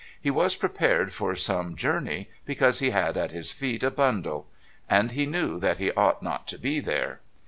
He was prepared for some journey, because he had at his feet a bundle. And he knew that he ought not to be there.